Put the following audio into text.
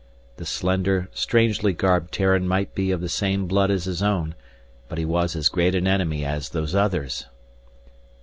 The slender strangely garbed Terran might be of the same blood as his own, but he was as great an enemy as Those Others!